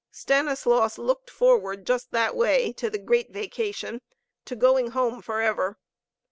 Stanislaus looked forward just that way to the Great Vacation, to going Home forever.